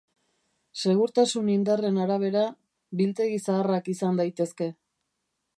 Segurtasun indarren arabera, biltegi zaharrak izan daitezke.